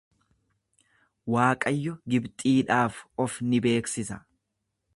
Waaqayyo Gibxiidhaaf of ni beeksisa.